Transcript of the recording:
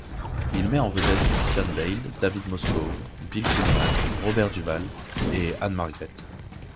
Il met en vedette Christian Bale, David Moscow, Bill Pullman, Robert Duvall et Ann-Margret.